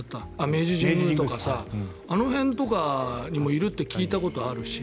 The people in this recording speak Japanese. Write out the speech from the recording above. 明治神宮とかあの辺とかにもいるって聞いたことがあるし。